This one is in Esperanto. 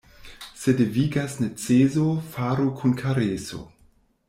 Se devigas neceso, faru kun kareso.